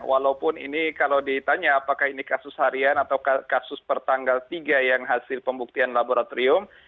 walaupun ini kalau ditanya apakah ini kasus harian atau kasus pertanggal tiga yang hasil pembuktian laboratorium